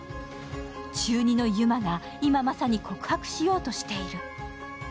中２の由舞が今まさに告白しようとしている。